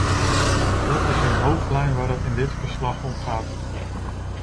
Dat is in hoofdlijnen waar het in dit verslag om gaat.